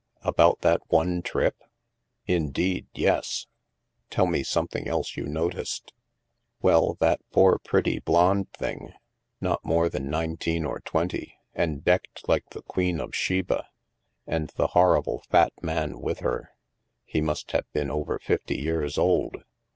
" About that one trip ?"" Indeed, yes." " Tell me something else you noticed." " Well, that poor pretty blonde thing, not more than nineteen or twenty, and decked like the queen of Sheba; and the horrible fat man with her. He must have been over fifty years old.